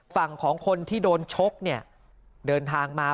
ฝั่งของคนที่โดนชกเนี่ยเดินทางมา